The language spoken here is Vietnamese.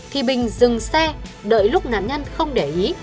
thì bình dừng xe đợi lúc nạn nhân không để ý